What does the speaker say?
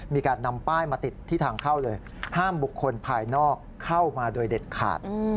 มีการนำป้ายมาติดที่ทางเข้าเลยห้ามบุคคลภายนอกเข้ามาโดยเด็ดขาด